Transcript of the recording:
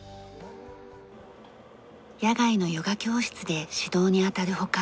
野外のヨガ教室で指導にあたる他